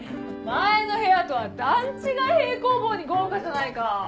前の部屋とは段違い平行棒に豪華じゃないか！